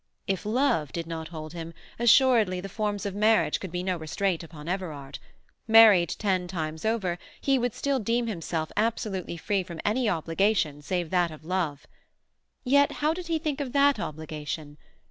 If love did not hold him, assuredly the forms of marriage could be no restraint upon Everard; married ten times over, he would still deem himself absolutely free from any obligation save that of love. Yet how did he think of that obligation?